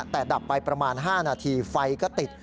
แต่ดับไปประมาณ๕นาทีไฟก็ติด